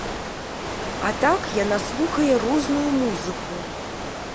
А так яна слухае розную музыку.